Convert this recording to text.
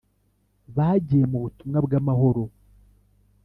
bagiye mu butumwa bwamahoro.